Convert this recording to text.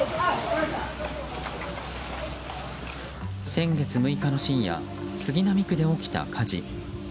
先月６日の深夜杉並区で起きた火事。